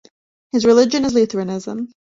His religion is Lutheranism.